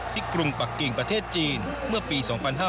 กรุงปักกิ่งประเทศจีนเมื่อปี๒๕๕๙